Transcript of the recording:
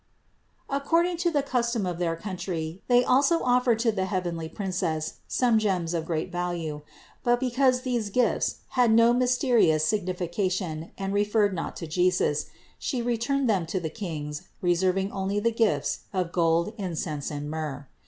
According to the custom of their country they also offered to the heavenly Princess some gems of great value; but because these gifts had no mysterious signification and referred not to Jesus, She returned them to the Kings, reserving only the gifts of gold, incense and myrrh.